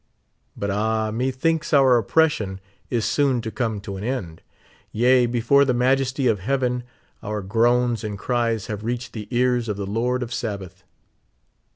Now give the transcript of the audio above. But ah ! raethinks our oppression is soon to come to an end ; yea, before the Majest}^ of heaven our groans and cries have reached the ears of the Lord of Sabaoth.